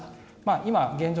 今現状